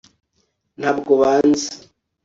ntabwo banzi